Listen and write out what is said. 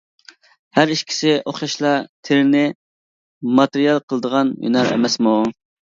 ھەر ئىككىسى ئوخشاشلا تېرىنى ماتېرىيال قىلىدىغان ھۈنەر ئەمەسمۇ.